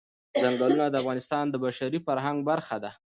ځنګلونه د افغانستان د بشري فرهنګ برخه ده.